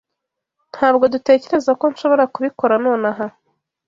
Ntabwo dutekereza ko nshobora kubikora nonaha.